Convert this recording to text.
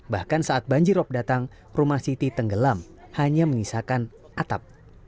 bahkan saat banjir op datang rumah siti tenggelam hanya mengisahkan atap